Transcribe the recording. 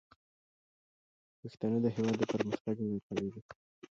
پښتانه د هیواد د پرمختګ ملاتړي دي.